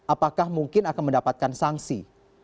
apakah mungkin akan mendapatkan sanksi